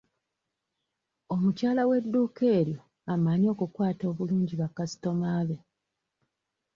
Omukyala w'edduuka eryo amanyi okukwata obulungi ba kasitooma be.